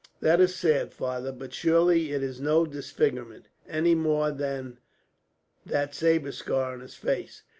"That is sad, father; but surely it is no disfigurement, any more than that sabre scar on his face.